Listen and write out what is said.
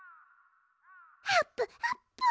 あっぷあっぷ。